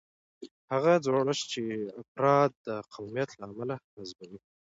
هغه جوړښت چې افراد د قومیت له امله حذفوي.